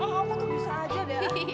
oh aku tuh bisa aja dah